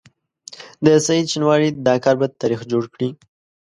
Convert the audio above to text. د سعید شینواري دا کار به تاریخ جوړ کړي.